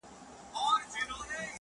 و دربار ته یې حاضر کئ بېله ځنډه،